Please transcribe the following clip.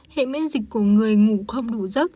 hệ miễn dịch của người ngủ không đủ giấc